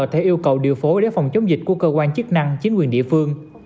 có thể yêu cầu điều phố để phòng chống dịch của cơ quan chức năng chính quyền địa phương